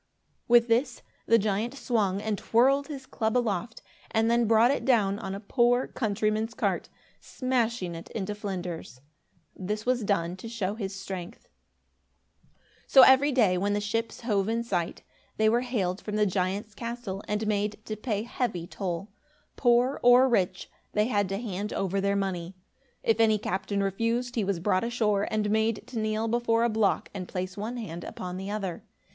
With this, the giant swung and twirled his club aloft and then brought it down on a poor countryman's cart, smashing it into flinders. This was done to show his strength. So every day, when the ships hove in sight, they were hailed from the giant's castle and made to pay heavy toll. Poor or rich, they had to hand over their money. If any captain refused, he was brought ashore and made to kneel before a block and place one hand upon the other.